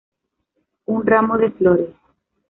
Un ramo de flores.